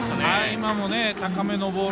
今の高めのボール。